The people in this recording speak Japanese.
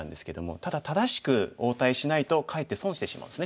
ただ正しく応対しないとかえって損してしまうんですね